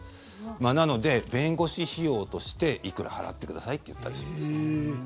なので、弁護士費用としていくら払ってくださいって言ったりするんです。